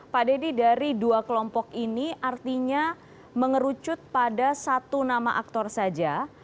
pak dedy dari dua kelompok ini artinya mengerucut pada satu nama aktor saja